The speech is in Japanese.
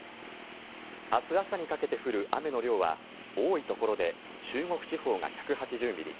明日朝にかけて降る雨の量は多いところで中国地方が１８０ミリ